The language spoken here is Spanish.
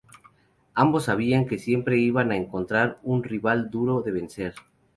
Ambos sabían que siempre iban a encontrar un rival duro de vencer.